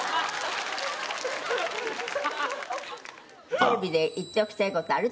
テレビで言っておきたい事ある？